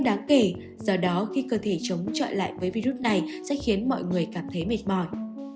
do đó khi cơ thể chống trọi lại với virus này sẽ khiến mọi người cảm thấy mệt mỏi